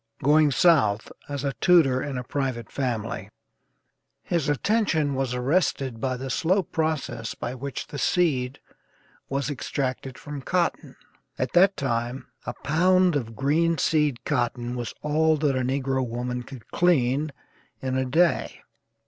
Going South as a tutor in a private family, his attention was arrested by the slow process by which the seed was extracted from cotton. At that time a pound of greenseed cotton was all that a negro woman could clean in a day.